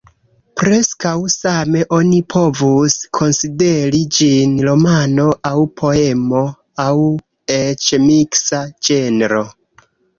Preskaŭ same oni povus konsideri ĝin romano aŭ poemo, aŭ eĉ miksa ĝenro.